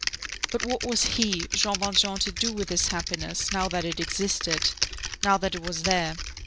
But what was he, Jean Valjean, to do with this happiness, now that it existed, now that it was there?